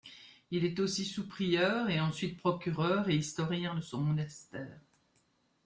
Il est aussi sous-prieur et ensuite procureur et historien de son monastère.